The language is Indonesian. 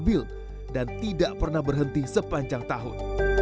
ombak yang stabil dan tidak pernah berhenti sepanjang tahun